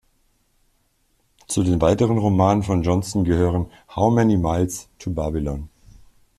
Zu den weiteren Romanen von Johnston gehören "How Many Miles to Babylon?